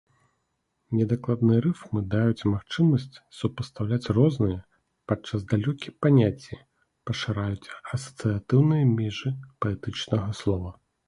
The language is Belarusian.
Недакладныя рыфмы даюць магчымасць супастаўляць розныя, падчас далёкія паняцці, пашыраюць асацыятыўныя межы паэтычнага слова.